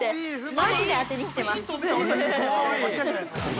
マジで当てにきてます。